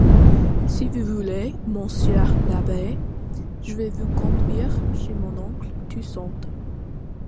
Si vous voulez, monsieur l'abbé, je vais vous conduire chez mon oncle Toussaint.